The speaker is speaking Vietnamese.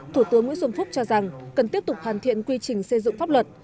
thủ tướng nguyễn xuân phúc cho rằng cần tiếp tục hoàn thiện quy trình xây dựng pháp luật